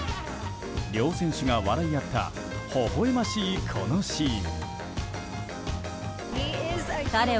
両選手が笑い合ったほほ笑ましいこのシーン。